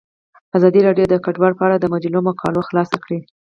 ازادي راډیو د کډوال په اړه د مجلو مقالو خلاصه کړې.